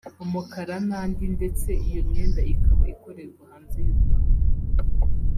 umukara n’andi ndetse iyo myenda ikaba ikorerwa hanze y'u Rwanda